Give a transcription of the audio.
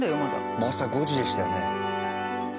もう朝５時でしたよね。